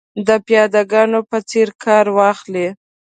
د پیاده ګانو په څېر کار واخلي.